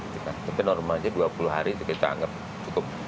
tapi normalnya dua puluh hari itu kita anggap cukup